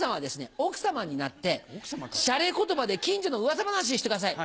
奥様になってしゃれ言葉で近所の噂話してください。